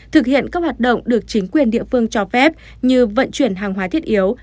thực hiện các hoạt động được chính quyền địa phương cho phép như vận chuyển hàng hóa thiết yếu